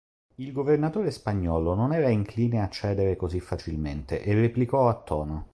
Il governatore spagnolo non era incline a cedere così facilmente, e replicò a tono.